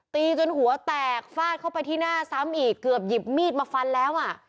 ตีจนหัวแตกฟาดเข้าไปที่หน้าซ้ำอีกเกือบหยิบมีดมาฟันแล้วอ่ะ